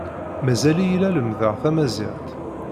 Mazal-iyi la lemmdeɣ tamaziɣt.